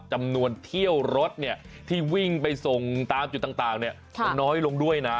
จำนวนเที่ยวรถที่วิ่งไปส่งตามจุดต่างมันน้อยลงด้วยนะ